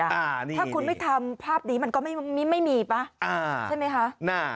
ถ้าคุณไม่ทำภาพนี้มันก็ไม่มีป่ะใช่ไหมคะ